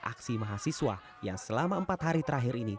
aksi mahasiswa yang selama empat hari terakhir ini